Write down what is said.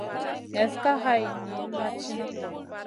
Neslna ka hay niyn ma tìna.